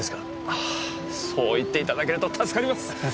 そう言っていただけると助かります！